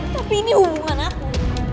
tapi ini hubungan aku